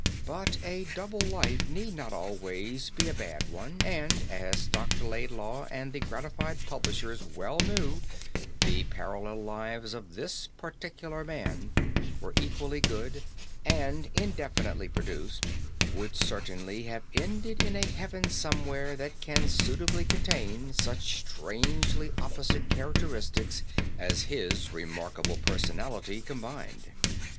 But a double life need not always be a bad one, and, as Dr. Laidlaw and the gratified publishers well knew, the parallel lives of this particular man were equally good, and indefinitely produced would certainly have ended in a heaven somewhere that can suitably contain such strangely opposite characteristics as his remarkable personality combined.